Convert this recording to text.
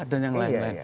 untuk yang lain lain